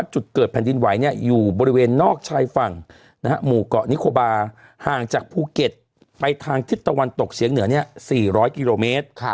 จุดเกิดแผ่นดินไหวอยู่บริเวณนอกชายฝั่งหมู่เกาะนิโคบาห่างจากภูเก็ตไปทางทิศตะวันตกเฉียงเหนือ๔๐๐กิโลเมตร